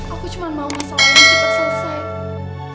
aku cuma mau masalah ini cepat selesai